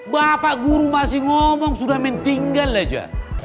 bapak guru masih ngomong sudah main tinggal aja